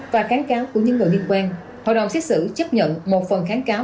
và kháng cáo của những người liên quan hội đồng xét xử chấp nhận một phần kháng cáo